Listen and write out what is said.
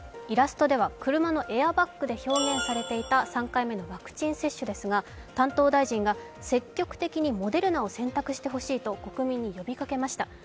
イラストでは車のエアバッグで表現されていた３回目のワクチンですが、担当大臣が積極的にモデルナを選択してほしいと国民に呼びかけました。